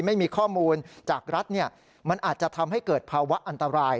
ไม่มีข้อมูลจากรัฐมันอาจจะทำให้เกิดภาวะอันตราย